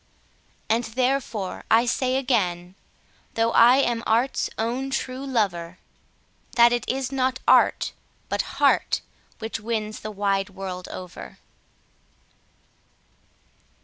And therefore I say again, though I am art's own true lover, That it is not art, but heart, which wins the wide world over.